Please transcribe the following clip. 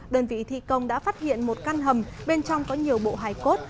đơn vị thi công đã phát hiện một căn hầm bên trong có nhiều bộ hài cốt